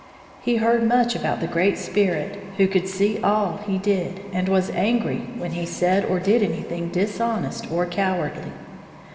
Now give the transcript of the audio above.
He heard much about the Great Spirit who could see all he did and was angry when he said or did anything dishonest or cowardly.